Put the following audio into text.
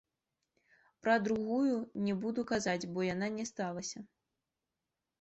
Пра другую не буду казаць, бо яна не сталася.